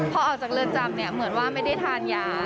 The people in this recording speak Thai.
พอออกจากเรือนจำเนี่ยเหมือนว่าไม่ได้ทานยา